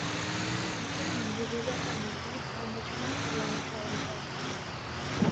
বর্তমানেও বহু জাপানি দুই ধর্মই সমানভাবে অনুসরণ করে।